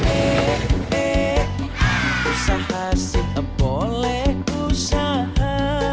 eh eh usaha sih boleh usaha